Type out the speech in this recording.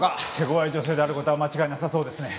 手強い女性である事は間違いなさそうですね。